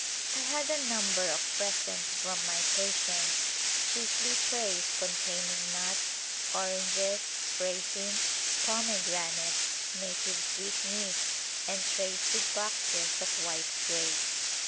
I had a number of pres ents from my patients, chiefly trays containing nuts, oranges, raisins, pomegranates, native sweetmeats and trays with boxes of white grapes.